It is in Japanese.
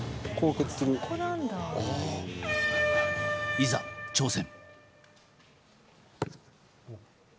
いざ、挑戦！